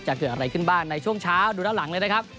จะเกิดอะไรขึ้นบ้างในช่วงเช้าดูด้านหลังเลยนะครับ